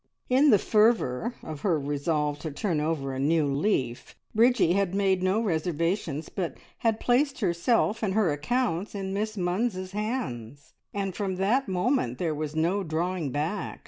In the fervour of her resolve to turn over a new leaf, Bridgie had made no reservations, but had placed herself and her accounts in Miss Munns's hands, and from that moment there was no drawing back.